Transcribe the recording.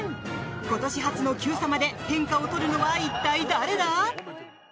今年初の「Ｑさま！！」で天下をとるのは一体誰だ？